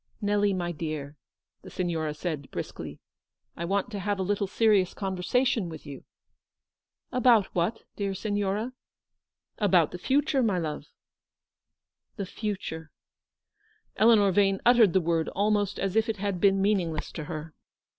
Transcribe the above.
"Xelly, my dear," the Signora said, briskly, " I want to have a little serious conversation with you.'' " About what, dear Signora? " 180 Eleanor's victory. " About the future, my love." " The future !" Eleanor Vane uttered the word almost as if it had been meaningless to her.